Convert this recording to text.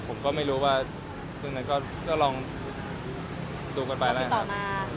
ผมก็ไม่รู้ว่าคือไงก็ลองดูกันไปละครับ